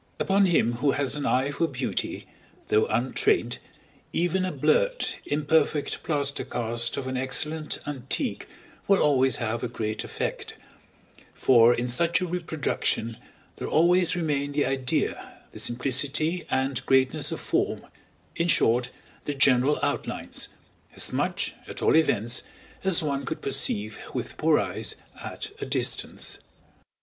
Upon him who has an eye for beauty, though untrained, even a blurred, imperfect plaster cast of an excellent antique will always have a great effect; for in such a reproduction there always remain the idea, the simplicity and greatness of form, in short, the general outlines; as much, at all events, as one could perceive with poor eyes at a distance.